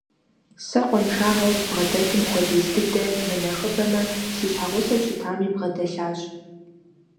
Сэ къуаншагъэу збгъэдэлъым хуэдиз дыдэ, мынэхъыбэмэ, си щхьэгъусэу щытами бгъэдэлъащ.